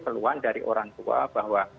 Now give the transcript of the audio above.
keluhan dari orang tua bahwa